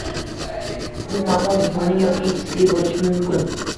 Bu muammo jismoniy yoki hissiy bo‘lishi mumkin.